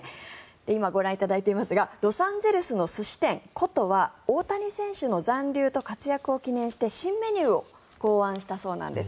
今、ご覧いただいていますがロサンゼルスの寿司店、古都は大谷選手の残留と活躍を記念して新メニューを考案したそうです。